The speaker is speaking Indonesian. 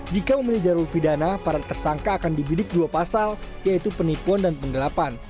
jika memilih jalur pidana para tersangka akan dibidik dua pasal yaitu penipuan dan penggelapan